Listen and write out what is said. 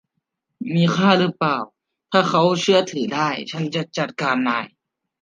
มีค่ารึเปล่า ถ้าเขาเชื่อถือได้ ฉันจะจัดการนาย